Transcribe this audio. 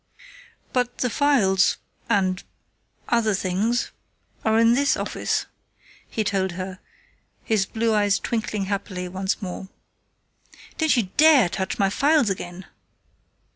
"But the files, and other things are in this office," he told her, his blue eyes twinkling happily once more. "Don't you dare touch my files again!"